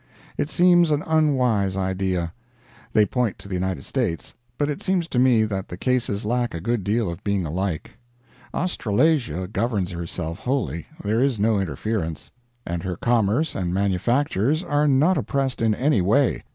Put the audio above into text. It seems an unwise idea. They point to the United States, but it seems to me that the cases lack a good deal of being alike. Australasia governs herself wholly there is no interference; and her commerce and manufactures are not oppressed in any way.